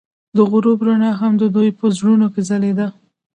د غروب رڼا هم د دوی په زړونو کې ځلېده.